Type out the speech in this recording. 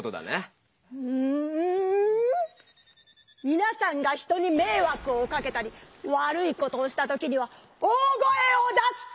みなさんが人にめいわくをかけたりわるいことをした時には大声を出す！